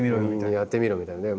「やってみろ」みたいな。